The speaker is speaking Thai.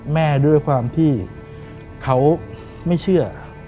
แม่ด้วยความที่เขาไม่เชื่อ